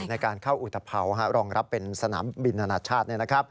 ในการเข้าอุตภัวร์รองรับเป็นสนามบินอนาชาติ